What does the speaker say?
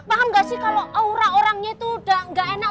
paham gak sih kalau aura orangnya itu udah gak enak